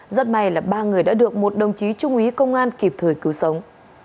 rất may là ba người đã được một đồng chí trung úy công an kịp thời cứu sống